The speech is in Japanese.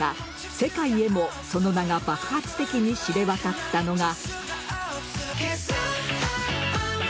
世界へもその名が爆発的に知れ渡ったのが。